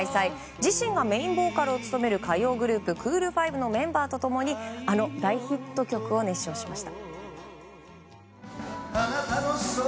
自身がメインボーカルを務める歌謡グループクール・ファイブのメンバーと共にあの大ヒット曲を熱唱しました。